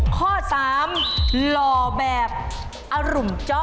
ข้อ๓หล่อแบบอรุมเจาะ